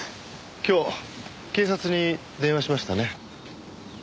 今日警察に電話しましたね？